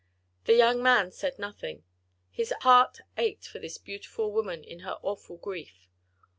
The young man said nothing; his heart ached for this beautiful woman in her awful grief.